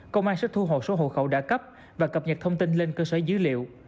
công an sẽ thu hồ số hộ khẩu đã cấp và cập nhật thông tin lên cơ sở dữ liệu